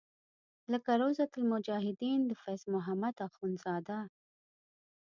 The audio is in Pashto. لکه روضة المجاهدین د فیض محمد اخونزاده.